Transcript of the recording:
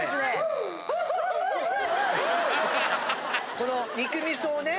・この肉味噌をね